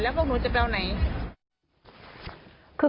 แล้วพวกนู้นจะไปเอาไหน